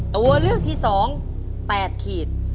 ตัวเลือกที่๒๘ขีด